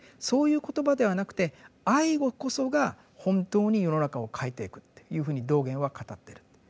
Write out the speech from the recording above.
そういう言葉ではなくて「愛語」こそが本当に世の中を変えていくっていうふうに道元は語ってる。